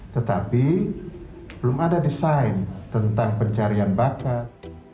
tetapi belum ada desain tentang pencarian bakat